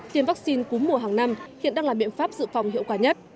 tiêm vắc xin cúm mùa hàng năm hiện đang là biện pháp dự phòng hiệu quả nhất